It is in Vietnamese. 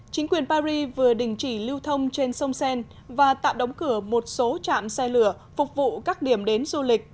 chính quyền paris vừa đình chỉ lưu thông trên sông sen và tạm đóng cửa một số trạm xe lửa phục vụ các điểm đến du lịch